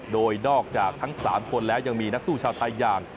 โดยนอกจากทั้ง๓คนแล้วยังมีนักสู้ชาวไทยอย่าง